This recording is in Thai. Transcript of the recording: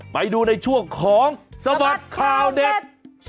ไปดูในช่วงของสบัดข่าวเด็ด